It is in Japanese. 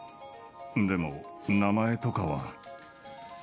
でも、名前とかは。